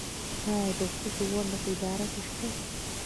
آیا د ښځو ونډه په اداره کې شته؟